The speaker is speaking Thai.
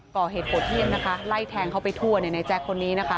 ก่อเหตุโหดเยี่ยมนะคะไล่แทงเขาไปทั่วเนี่ยในแจ๊คคนนี้นะคะ